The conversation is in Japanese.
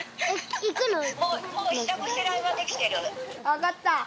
わかった。